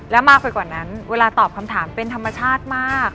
และมากไปกว่านั้นเวลาตอบคำถามเป็นธรรมชาติมาก